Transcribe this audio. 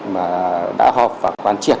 mà đã họp và quan triệt